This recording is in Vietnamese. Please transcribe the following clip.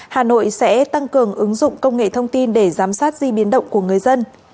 hà nội sẽ tăng cường ứng dụng công nghệ thông tin để giám sát di biến động của người dân